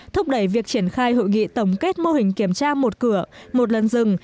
thúc đẩy việc triển khai hội nghị tổng kết mô hình kiểm tra một cửa một lần rừng